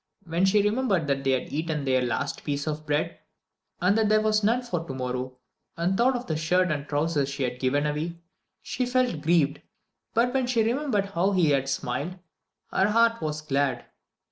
When she remembered that he had eaten their last piece of bread and that there was none for tomorrow, and thought of the shirt and trousers she had given away, she felt grieved; but when she remembered how he had smiled, her heart was glad.